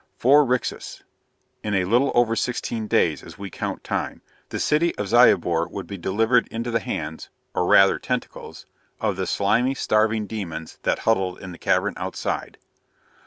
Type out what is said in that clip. Four rixas! In a little over sixteen days, as we count time, the city of Zyobor would be delivered into the hands or, rather, tentacles of the slimy, starving demons that huddled in the cavern outside!